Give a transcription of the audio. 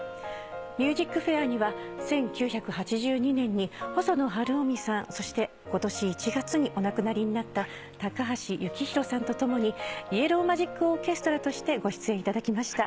『ＭＵＳＩＣＦＡＩＲ』には１９８２年に細野晴臣さんそして今年１月にお亡くなりになった高橋幸宏さんと共にイエロー・マジック・オーケストラとしてご出演いただきました。